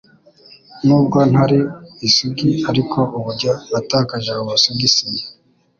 n'ubwo ntari isugi ariko uburyo natakaje ubusugi sinjye